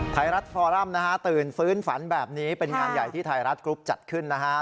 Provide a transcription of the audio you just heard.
ไทยรัฐฟอรัมนะฮะตื่นฟื้นฝันแบบนี้เป็นงานใหญ่ที่ไทยรัฐกรุ๊ปจัดขึ้นนะฮะ